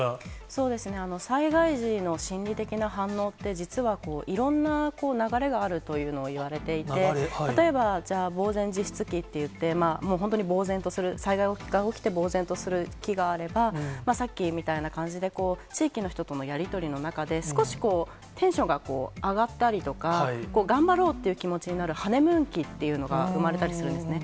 そうですね、災害時の心理的な反応って、実はいろんな流れがあるというのをいわれていて、例えばじゃあ、ぼう然自失期っていって、もう本当にぼう然とする、災害が起きてぼう然とする期があれば、さっきみたいな感じで、こう、地域の人とのやり取りの中で、少しテンションが上がったりとか、頑張ろうっていう気持ちになる、ハネムーン期っていうのが生まれたりするんですね。